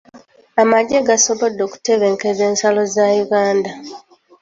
Amagye gasobodde okutebenkeza ensalo za Uganda.